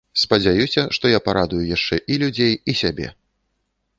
Спадзяюся, што парадую яшчэ і людзей, і сябе!